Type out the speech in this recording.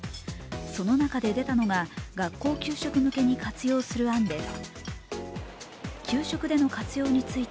その中で出たのが、学校給食向けに活用する案です。